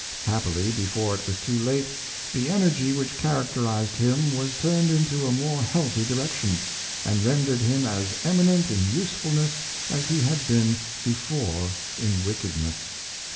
Happily, before it was too late, the energy which characterized him was turned into a more healthy direction, and rendered him as eminent in usefulness as he had been before in wickedness.